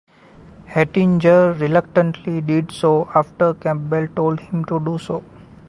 Hettinger reluctantly did so after Campbell told him to do so.